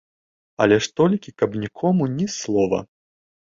Але ж толькі, каб нікому ні слова.